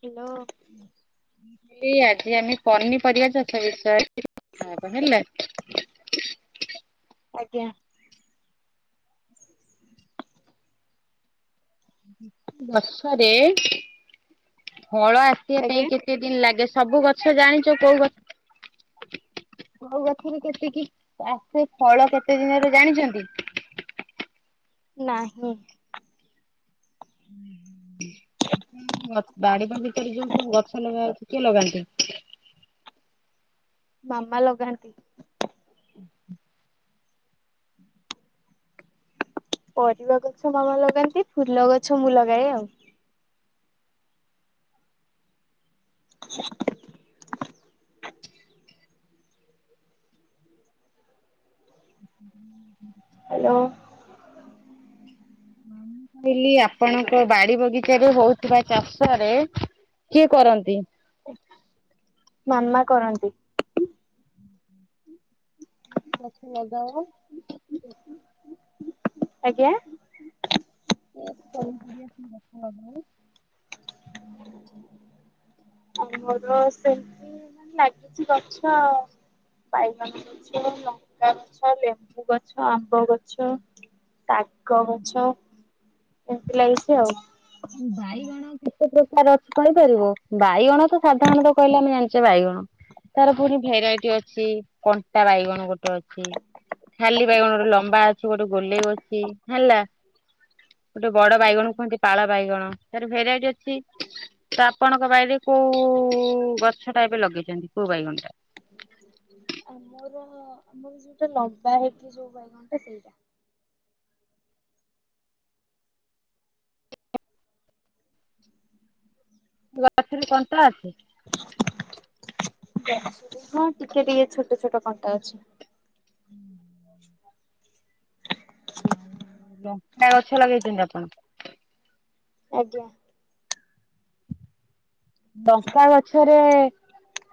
Hello. ଏଇ ଆଜି ଆମେ ପନିପରିବା ଚାଷ ବିଷୟରେ ଟିକେ କଥାହବା ହେଲା। ଆଜ୍ଞା। ବର୍ଷରେ ଫଳ ଆସିବା ଆଜ୍ଞା ପାଇଁ କେତ ତେ ଦିନ ଲାଗେ ସବୁ ଗଛ ଜାଣିଚ କୋଉ ଗଛ କୋଉ ଗଛରେ କେତିକି ଆସେ ଫଳ କେତେ ଦିନରେ ଜାଣିଛନ୍ତି? ନାହିଁ। ହୁଁ, ହୁଁ ଭି [unintelligible] ବାଡିିବଗିଚାରେ ଯୋଉ ସବୁ ଗଛ ଲଗା ହଭଛି କିଏ ଲଗାନ୍ତି? ମାମା ଲଗାନ୍ତି। [unintelligible] ପରିବା ଗଛ ମାମା ଲଗାନ୍ତି, ଫୁଲ ଗଛ ମୁଁ ଲଗାଏ ଆଉ। [inaudible] [inaudible] ହ୍ୟାଲୋ। ମୁଁ କହିଲି ଆପଣଙ୍କ ବାଡି ବଗିଚା ରେ ହଉଥିବା ଚାଷରେ କିଏ କରନ୍ତି? ମାମା କରନ୍ତି। କି ଗଛ ଲଗାଅ? ଆଜ୍ଞା। ଏ [unintelligible] ଆମର ସେମତି ଏ ମାନେ ଲାଗିଛି ଗଛ। ବାଇଗଣ ଗଛ, ଲଙ୍କା ଗଛ, ଲେମ୍ବୁ ଗଛ, ଆମ୍ବ ଗଛ। ଶାଗ ଗଛ, ଏମିତି ଲାଗିଛି ଆଉ। ବାଇଗଣ ଣ କେତେ ପ୍ରକାର ଅଛି କହିପାରିବ? ବାଇଗଣ ତ ସାଧାରଣତ କହିଲେ ଆମେ ଜାଣିଛେ ବାଇଗଣ। ତାର ପୁଣି ଭେରାଇଟି ଅଛି, କଣ୍ଟା ବାଇଗଣ ଗୋଟେ ଅଛି। ଖାଲି ବାଇଗଣ ଗୋଟେ ଲମ୍ବା ଅଛି ଗୋଟେ ଗୋଲେଇ ଅଛି, ହେଲା। ଗୋଟେ ବଡ ବାଇଗଣ ଆଜ୍ଞା। କୁହନ୍ତି ପାଳ ବାଇଗଣ ତାର ଭେରାଇଟି ଅଛି। ତ ଆପଣଙ୍କ ବାଡିରେ କୋଉ ଉ, ଗଛଟା ଏବେ ଲଗେଇଛନ୍ତି କୋଉ ବାଇଗଣ ଟା? ଆମର ଆମର ଯୋଉଟା ଲମ୍ବା ହେଇକି ଯୋଉ ବାଇଗଣ ଟା ସେଇଟା। ଗଛରେ କଣ୍ଟା ଅଛି? ଯେ ଆସୁଛୁ ହଁ ଟିକେ ଟିକେ ଛୋଟ ଛୋଟ କଣ୍ଟା ଅଛି। ହୁଁ। ଆଉ ଲଙ୍କା ଗଛ ଲଗେଇଛନ୍ତି ଆପଣ? ଆଜ୍ଞା। ଲଙ୍କା ଗଛରେ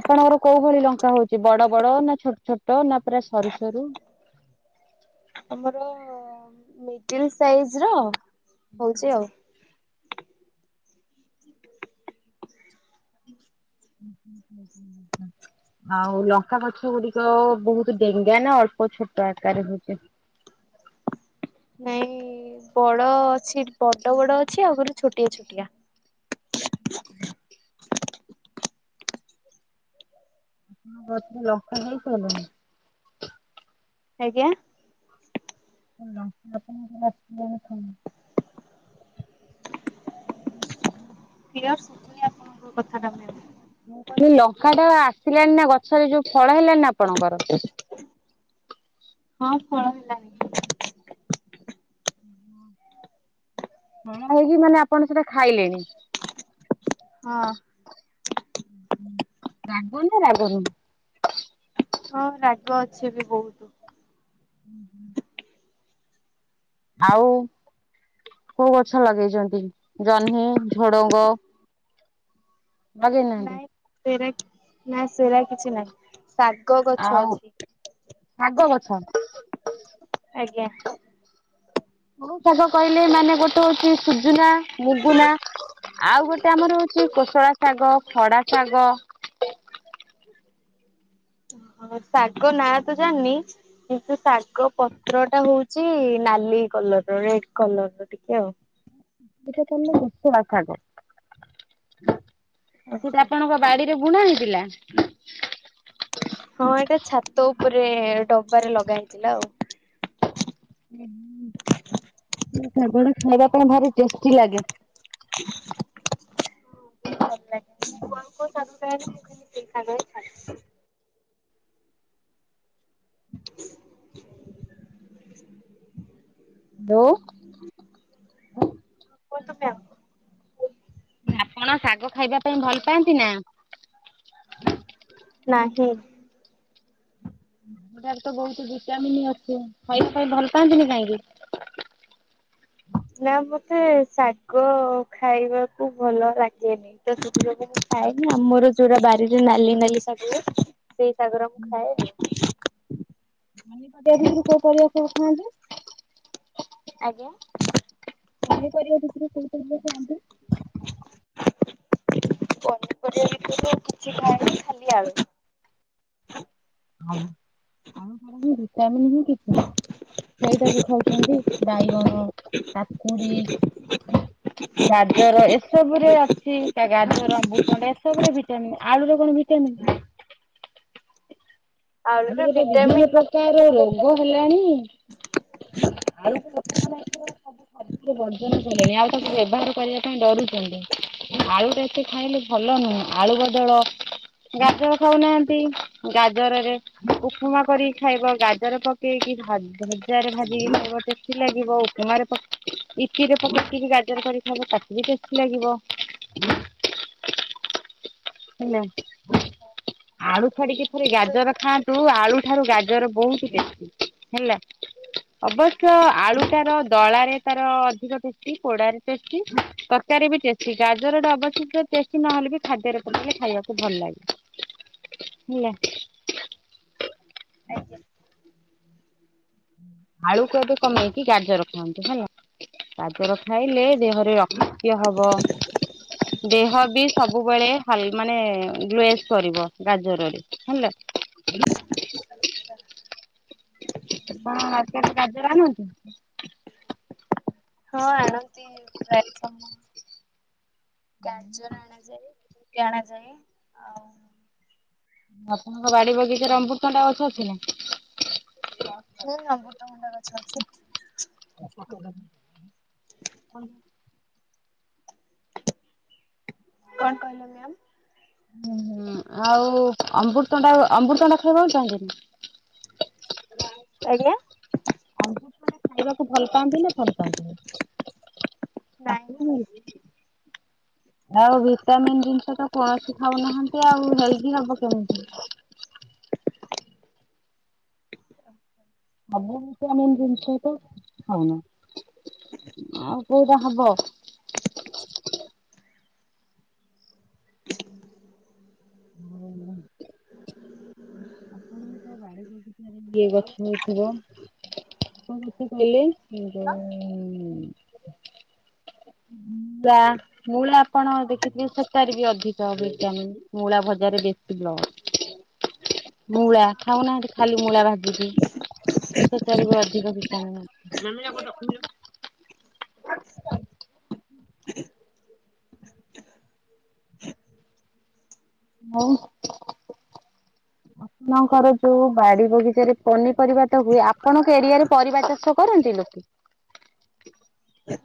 ଆପଣଙ୍କର କୋଉ ଭଳି ଲଙ୍କା ହଉଛି ବଡ ବଡ ନା ଛୋଟ ଛୋଟ ନା ପୁରା ସରୁ ସରୁ? ଆମର ମିଡିଲ୍ ସାଇଜ୍ ର ହଉଛି ଆଉ। [inaudible] [inaudible] ହୁଁ, ଆଉ ଲଙ୍କା ଗଛ ଗୁଡିକ ବହୁତ ଡେଙ୍ଗା ନା ଅଳ୍ପ ଛୋଟ ଆକାରରେ ହଉଛି? ନାଇଁ ବଡ ଅଛି ବଡ ବଡ ଅଛି ଆଉ ପୁଣି ଛୋଟିଆ ଛୋଟିଆ। [unintelligible] ଆପଣଙ୍କ ଗଛରେ ଲଙ୍କା ହେଇସାଇଲାଣି? ଆଜ୍ଞା? ତ ଲଙ୍କା ଆପଣଙ୍କର ଗଛରେ [inaudible] [inaudible] କ୍ଲିୟର ଶୁଭୁନି ଆପଣଙ୍କ କଥାଟା ମେମ। ମୁଁ କହିଲି ଲଙ୍କାଟା ଆସିଲାନି ନା ଗଛରେ ଯୋଉ ଫଳ ହେଲାଣିି ନା ଆପଣଙ୍କର?। ହଁ ଫଳ ହେଲାଣି। ଫଳ ହେଇକି ମାନେ ଆପଣ ସେଟା ଖାଇଲେଣି। ହଁ। ହୁଁ। ରାଗୁନି ନା ରାଗ ନୁହଁ?। ହଁ ରାଗ ଅଛି ବି ବହୁତ। ହୁଁ ହୁଁ। ଆଉ କୋଉ ଗଛ ଲଗେଇଛନ୍ତି? ଜହ୍ନି, ଝୁଡଙ୍ଗ। ନାଇଁ ସେରାକିଛି ନାଇଁ। ଶାଗ ଗଛ ଆଉ ଶାଗ ଅଛି, ଗଛ ଆଜ୍ଞା। କଉ ସାଗ କହିଲେ ମାନେ ଗୋଟେ ହଉଛି ସୁଜୁନା। ସୂଜୁନା, ମୁଗୁନା ଆଉ ଗୋଟେ ଆମର ହଉଛି କୋଶଳା ଶାଗ, ଖଡା ଶାଗ। ଅହ ଶାଗ ନାଁ ତ ଜାଣନି। କିନ୍ତୁ ଶାଗ ପତ୍ରଟା ହଉଛି ନାଲି କଲରର ରେଡ କଲରର ଟିକେ ଆଉ। ସେଇଟା ତାହେଲେ କୋଶଳା ସାଗ ମୁଁ କହିଲି ଓହୋ। ଆପଣଙ୍କର। ବାଡିରେ ବୁଣା ହେଇଥିଲା?। ହଁ ଏଇଟା ଛାତ ଉପରେ ଡବାରେ ଲଗା ହେଇଥିଲା ଆଉ। ହୁଁ, ହୁଁ ସାଗଟା ଖାଇବା ପାଇଁ ଭାରି ଟେଷ୍ଟି ଲାଗେ। ଭଲ ଲାଗେ ମୁଁ ବୋଉକୁ ସବୁବେଳେ କୁହେ। [inaudible] ବୋଉ। କୁହନ୍ତୁ ମେମ?। ଆପଣ ଶାଗ ଖାଇବା ପାଇଁ ଭଲ ପାଆନ୍ତି ନା?। ନାହିଁ। ତା ଦେହରେ ତ ବହୁତ ଭିଟାମିନ ଅଛି ଖାଇବା ପାଇଁ ଭଲ ପାଆନ୍ତିନି କାହିଁକି?। ନା ମୋତେ ଶାଗ ଖାଇବାକୁ ଭଲ ଲାଗେନି। ମୁଁ ତ କୋସଳା ଶାଗ ଖାଏନି ଆମର ଯୋଉଟା ବାରିରେ ନାଲି ନାଲି ଶାଗ ଗୁରା। ସେଇ ଶାଗ ଉରା ମୁଁ ଖାଏ। କୋଉ ପରିବା ସବୁ ଖାଆନ୍ତି?। ଆଜ୍ଞା। ପନିପରିବା ଜଉ ସବୁ ଚୂନୁ ଚୁନୁ କରି କାଟନ୍ତି। ପନିପରିବା ଭିତରୁ ମୁଁ କିଛି ଖାଏନି ଖାଲି ଆଳୁ। ହଁ ଭିଟାମିନ୍ ହିଁ କିଛିନାହିଁ। ସେଇଟାକୁ ଖାଉଛନ୍ତି ବାଇଗଣ କାକୁଡି। ଗାଜର ଏସବୁ ରେ ଅଛି ତା ଗାଜର ଅମ୍ବୁତଣ୍ଡା ଏସବୁ ରେ ଭିଟାମିନ୍। ଆଳୁ ରେ କଣ ଭିଟାମିନ୍। ଆଳୁରେ ଆମର ଯୋଉ ଭିଟାମିନ୍ ବିଭିନ୍ନ ପ୍ରକାର ନଥାଏ ରୋଗ। ମୁଁ ରୋଗ ହେଲାଣି। ଖାଦ୍ୟ ବର୍ଜନ କଲେଣି ଆଉ ତାକୁ ବ୍ୟବହାର କରିବା ପାଇଁ ଡରୁଛନ୍ତି। ଆଳୁ ଟା ଏତେ ଖାଇଲେ ଭଲ ନୁହେଁ ଆଳୁ ବଦଳ। ଗାଜର ଖାଉନାହାନ୍ତି ଗାଜରରେ। ଉପୁମା କରିକି ଖାଇବ ଗାଜର ପକେଇକି ଭଜାରେ ଭାଜିକି ଖାଇବ। ଟେଷ୍ଟି ଲାଗିବ ଉପୁମାରେ ପକେ। ଇପିରେ ପକେଇକିରି ଗାଜର କରି ଖାଇଲେ ତାକୁ ବି ଟେଷ୍ଟି ଲାଗିବ। ହେଲା। ତ ଖାଆନ୍ତୁ, ଆଳୁ ଠାରୁ ଗାଜର ବହୁତି ଟେଷ୍ଟି ହେଲା। ଅବଶ୍ୟ ଆଳୁଟାର ଦଳାରେ ତାର ଅଧିକ ଟେଷ୍ଟି ପୋଡାରେ ଟେଷ୍ଟି ତରକାରୀ ବି ଟେଷ୍ଟି। ଗାଜର ଟା ଅବଶ୍ୟ ଟେଷ୍ଟି ନ ହେଲେ ବି ଖାଦ୍ୟରେ ପକେଇଲେ ଖାଇବାକୁ ଭଲ ଲାଗେ ହେଲା। ଆଜ୍ଞା। ଆଳୁକୁ ଏବେ କମେଇକି ଗାଜର ଖାଆନ୍ତୁ ହେଲା। ଗାଜର ଖାଇଲେ ଦେହରେ ରକ୍ତ୍ୟ ହବ। ଦେହ ବି ସବୁବେଳେ ହାଲ୍ ମାନେ ଗ୍ଲେଜ୍ କରିବ ଗାଜରରେ ହେଲା। ଆଚ୍ଛା। ହଁ ଆପଣ ଗାଜର ଆଣନ୍ତୁ। ହଁ ଆଣନ୍ତି ପ୍ରାୟ ସମୟ। ଗାଜର ଆଣାଯାଏ ବିଟ୍ ଆଣାଯାଏ ଆଉ ଆପଣଙ୍କ ବାଡି ବଗିଚାରେ ଅମୃତଭଣ୍ଡା ଗଛ ଅଛି ନା? ହୁଁ ଅମୃତଭଣ୍ଡା ଗଛ ଅଛି। [inaudible] କଣ କହିଲ ମ୍ୟାମ୍? ଉଁ ଆଉ ଅମୃତଭଣ୍ଡା ଅମୃତଭଣ୍ଡା ଖାଇବାକୁ ଚାହୁଁଛନ୍ତି। ଆଜ୍ଞା। ଅମୃତଭଣ୍ଡା ଖାଇବାକୁ ଭଲ ପାଆନ୍ତି ନା ଭଲ ପାଆନ୍ତିନି? ନାଇଁ ନାଇଁ [unintelligible] ଆଉ ଭିଟାମିିନ୍ ଜିନିଷ ତ କୌଣସି ଖାଉନାହାନ୍ତି ଆଉ ହେଲ୍ଦି ହବ କେମିତି? ସବୁ ଭିଟାମିନ୍ ଜିନିଷ ତ ଖାଉନେ କୋଉଟା ହବ? [inaudible] ଆପଣଙ୍କ ବାଡ଼ି ବଗିଚାରେ ଇଏ ଗଛ ହେଇଥିବ। [unintelligible] ମତେ କହିଲେ? ବ୍ଲା ମୂଳା ଆପଣ ଦେଖିଥିବେ ସେଠାରେ ବି ଅଧିକ ଭିଟାମିନ୍ ମୂଳା ଭଜାରେ ବେଶି ବ୍ଲଡ୍। ମୂଳା ଖାଉନାହାନ୍ତି ଖାଲି ମୂଳା ଭାଜିକି? ସେଟାରେ ବି ଅଧିକ ଭିଟାମିନ୍। ମାମିନା କୋଉଠି ରଖିଚି ବା? ଆଉ। କଣ କରୁଚୁ?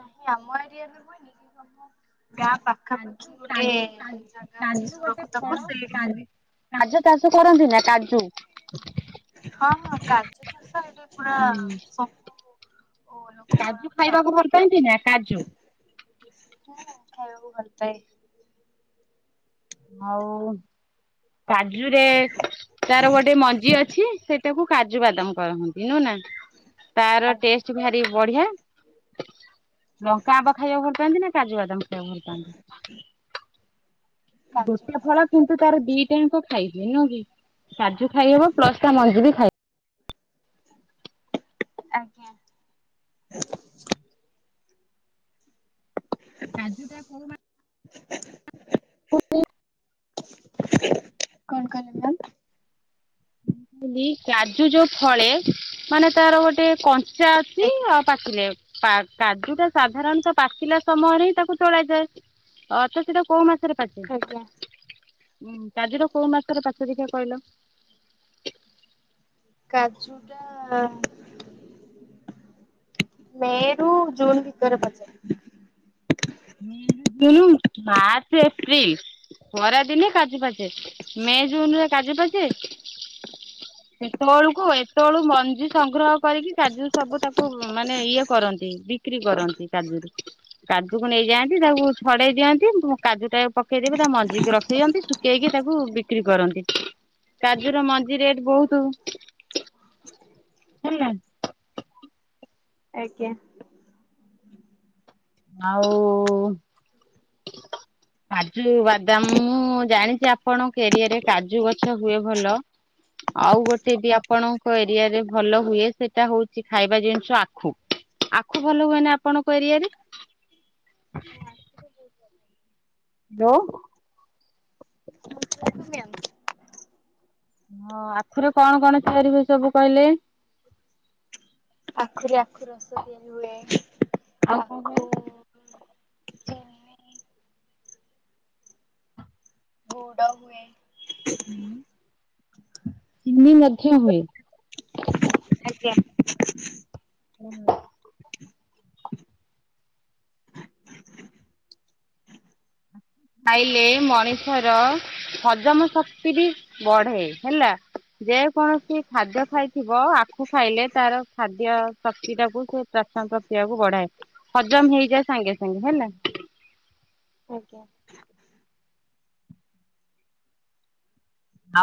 କାହିଁ ଆମ ଏରିଆରେ ହୁଏନି କି? [inaudible] କାଜୁ ପାଖାପାଖି ଗୋଟେ କାଜୁ କାଜୁ ଜାଗା ଅଛି, କାଜୁ ଗୋଟେ ଫଳ ସୁୁରପୁତାପୁର ସେଇଠି କାଜୁ ହୁଏ। କାଜୁ ଚାଷ କରନ୍ତି। ନା କାଜୁ? ହଁ ହଁ କାଜୁ ଚାଷ ଏଠି ପୁରା ସବୁ ଓଲୋ। କାଜୁ ଖାଇବାକୁ ଭଲ ପାଆନ୍ତି ନା, କାଜୁ? ହଁ ଖାଇବାକୁ ଭଲ ପାଏ। ଆଉ କାଜୁରେ ତାର ଗୋଟେ ମଞ୍ଜି ଅଛି ସେ ସେ ତାକୁ କାଜୁବାଦାମ କହନ୍ତି ନୁହେଁ ନା ତାର ଆଜ୍ଞା ଟେଷ୍ଟ ଭାରି ବଢିଆ। ଲଙ୍କାଆମ୍ବ ଖାଇବାକୁ ଭଲ ପାଆନ୍ତି ନା କାଜୁବାଦାମ ଖାଇବାକୁ ଭଲ ପାଆନ୍ତି? କାଜୁ ବାଦାମ [inaudible] କିନ୍ତୁ ତାର ଦିଟାଯାଙ୍କ ଖାଇ ହୁଏ ନୁହୁଁ କି, କାଜୁ ଖାଇହବ ପ୍ଲସ ତା ମଞ୍ଜି ବି ଖାଇ ଆଜ୍ଞା। କାଜୁ ଟା କୋଉ ମା [unintelligible] [unintelligible] କଣ କହିଲେ ମ୍ୟାମ୍? ମୁଁ କହିଲି କାଜୁ ଯୋଉ ଫଳେ ମାନେ ତାର ଗୋଟେ କଞ୍ଚା ଅଛି ଆଜ୍ଞା ଆଉ ପାଚିଲେ କା କାଜୁ ଟା ସାଧାରଣତଃ ପାଚିଲା ସମୟରେ ହିଁ ତାକୁ ତୋଳା ଯାଏ। ଅ ତ ସେଇଟା କୋଉ ମାସେରେ ପାଚେ ଆଜ୍ଞା। କାଜୁଟା କୋଉ ମାସେରେ ପାଚେ ଦେଖିଆ କହିଲ? କାଜୁ ଟା ମେ ରୁ ଜୁନ୍ ଭିତରେ ପଚେ। ମେ ରୁ ଜୁନୁ ମାର୍ଚ୍ଚ ଏପ୍ରିଲ୍ ଖରା ଦିନେ କାଜୁ ପାଚ୍ ଚେ ମେ ଜୁନ ରେ କାଜୁ ପାଚେ ସେତେବେଳକୁ ଏତେବେଳକୁ ମଞ୍ଜି ସଂଗ୍ରହ କରିକି କାଜୁ ସବୁ ତାକୁ ମାନେ ଇଏ କରନ୍ତି ବିକ୍ରି କରନ୍ତି କାଜୁରୁ। ହାଟୁକୁ ନେଇଯାଆନ୍ତି ତାକୁ ଛଡେଇ ଦିଅନ୍ତି ବୁ କାଜୁଟା ପକ୍ ଶୁଖେଇଦେବେ ତା ମଞ୍ଜିକି ରଖିଦିଅନ୍ତି ଶୁଖେଇକି ତାକୁ ବିକ୍ କ୍ରି କରନ୍ତି। କାଜୁର ମଞ୍ଜି ରେଟ୍ ବହୁତୁ। ହେଲାଣି। ଆଜ୍ଞା। ଆଉ କାଜୁ ବାଦାମ୍ ମୁଁ ଜାଣିଚି ଆପଣଙ୍କ ଏରିଆରେ କାଜୁ ଗଛ ହୁଏ ଭଲ। ଆଉ ଗୋଟେ ବି ଆପଣଙ୍କ ଏରିଆରେ ଭଲ ହୁଏ ସେଇଟା ହଉଚି ଖାଇବା ଜିନିଷ ଆଖୁ। ଆଖୁ ଭଲ ହୁଏନା ଆପଣଙ୍କ ଏରିଆରେ? ହଁ ଆଖୁଟା ବହୁତ ଭଲ ହୁଏ। ହାଲୋ ଉଠୁ ଉଠୁ ମ୍ୟାମ୍। ହଁ ଆଖୁରେ କଣ କଣ ତିଆରି ହୁଏ ସବୁ କହିଲେ? ଆଖୁରେ ଆଖୁରସ ତିଆରି ହୁଏ। ଆଉ କଣ ହୁଏ? ଯା ଗୁଡ ହୁଏ। ହୁଁ ଚିିନି ମଧ୍ୟ ହୁଏ। ଆଜ୍ଞା। ହୁଁ। ଖାଇଲେ ମଣିଷର ହଜମ ଶକ୍ତି ବି ବଢେ ହେଲା। ଯେ କୌଣସି ଖାଦ୍ୟ ଆଜ୍ଞା ଖାଇଥି ବ ଆଖୁ ଖାଇଲେ ତାର ଖାଦ୍ୟ ଶକ୍ତିଟାକୁ ସେ ପ୍ରସନ ପ୍ରକ୍ରିୟା କୁ ବଢାଏ। ହଜମ୍ ହେଇଯାଏ ସାଙ୍ଗେ ସାଙ୍ଗେ ହେଲା। ଆଜ୍ଞା।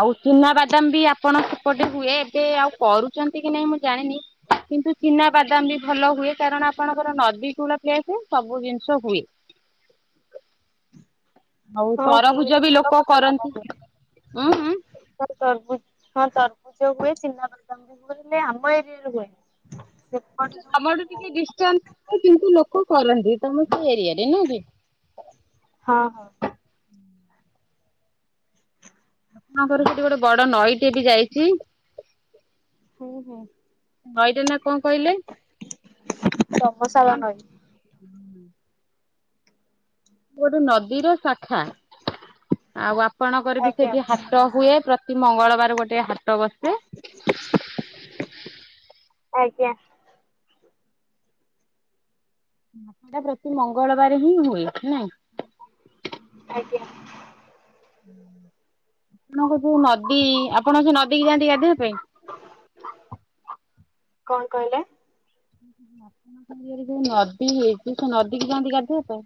ଆଉ ଚିନାବାଦାମ ବି ଆପଣ ସେପଟେ ହୁଏ ଏବେ ଆଉ କରୁଚନ୍ତି କି ନାଇଁ ମୁଁ ଜାଣିନି? କିନ୍ତୁ ଚିନା ବାଦାମ ବି ଭଲ ହୁଏ କାରଣ ଆପଣଙ୍କର ନଦୀ କୁଳ ପ୍ଲେସ ସବୁ ଜିନିଷ ହୁଏ। ଆଉ ହଁ ହୁଏ [unintelligible] ହୁଏ। ଉହୁଁ। ହଁ ତରଭୁଜ ହଁ ତରଭୁଜ ହୁଏ ଚିନା ବାଦାମ ବି ହୁଏ ହେଲେ ଆମ ଏରିଆରେ ହୁଏନି। ସେପଟେ ଯୋଉ ଆମ ଆଡ଼େ ଟିକେ ଡିାନ୍ସ କିନ୍ତୁ ଲୋକ କରନ୍ତି ତମ ସେ ଏରିଆରେ ନୁଁ କି? ହଁ ହଁ। ଆମର ସେଠି ଗୋଟେ ବଡ଼ ନଈଟିଏ ବି ଯାଇଚି। ହୁଁ ହୁଁ। ନଈ ର ନା କଣ କହିଲେ? ସମ ସାଳ ନଈ। ହୁଁ। ଗୋଟେ ନଦୀର ଶାଖା ଆଉ ଆପଣଙ୍କର ବି ଆଜ୍ଞା ସେଠି ହାଟ ହୁଏ ପ୍ର ତି ମଙ୍ଗଳବାର ଗୋଟେ ହାଟ ବସେ। ଆଜ୍ଞା। ହଟଟା ପ୍ରତି ମଙ୍ଗଳବାରେ ହିଁ ହୁଏ ନାଇଁ? ଆଜ୍ଞା। ଆପଣଙ୍କ ଯୋଉ ନଦୀ ଆପଣ ଯୋଉ ନଦୀ କିି ଯାଆନ୍ତି ଗାଧୋଇବା ପାଇଁ? କଣ କହିଲେ? ଆଣ ଯୋଉ ନଦୀ ସେ ନଦୀକି ଯାଆନ୍ତି ଗାଧେଇବା ପାଇଁ?